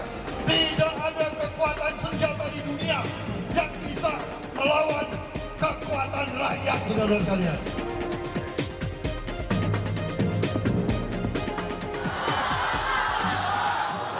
tidak ada kekuatan senjata di dunia yang bisa melawan kekuatan rakyat